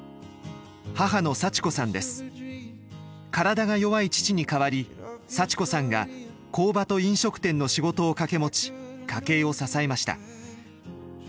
体が弱い父に代わり幸子さんが工場と飲食店の仕事を掛け持ち家計を支えました。